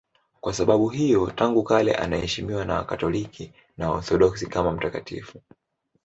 Kwa sababu hiyo tangu kale anaheshimiwa na Wakatoliki na Waorthodoksi kama mtakatifu.